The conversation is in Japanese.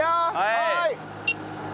はい！